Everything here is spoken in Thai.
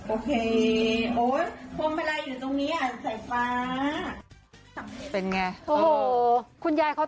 โอเคโอ้ภอมันอะไรอยู่ตรงนี้ใส่ฟ้า